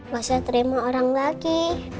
masa terima orang lagi